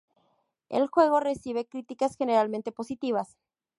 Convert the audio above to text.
El juego recibió críticas generalmente positivas.